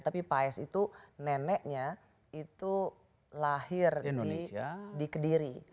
tapi paes itu neneknya itu lahir di kediri